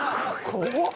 怖っ！